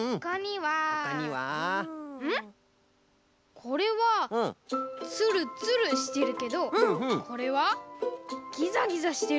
これはツルツルしてるけどこれはギザギザしてる。